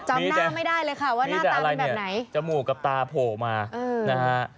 จำหน้าไม่ได้เลยค่ะว่าหน้าตาเป็นแบบไหนจมูกกับตาโผล่มานะฮะ